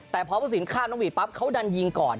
แต่พอผู้สินข้ามนกหวีดปั๊บเขาดันยิงก่อน